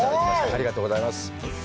ありがとうございます。